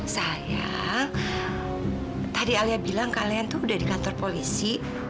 saya tadi alia bilang kalian tuh udah di kantor polisi